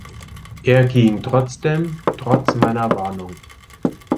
Er ging trotzdem, trotz meiner Warnung.